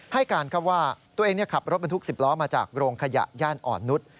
ให้การครับว่าตัวเองขับรถบรรทุก๑๐ล้อมาจากโรงขยะย่านอ่อนนุษย์